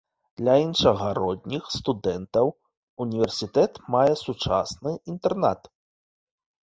Для іншагародніх студэнтаў універсітэт мае сучасны інтэрнат.